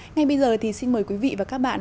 ngay bây giờ thì xin mời quý vị và các bạn